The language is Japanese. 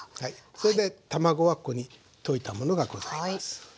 それで卵はここに溶いたものがございます。